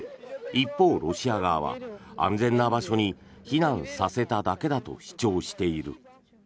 一方、ロシア側は安全な場所に避難させただけだと主張している。